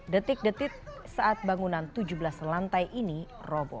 detik detik saat bangunan tujuh belas lantai ini robo